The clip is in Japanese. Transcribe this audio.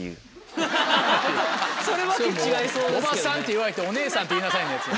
それ「おばさん」って言われて「お姉さんって言いなさい」のやつ。